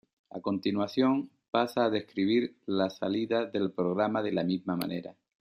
A continuación, pasa a describir las salidas del programa de la misma manera.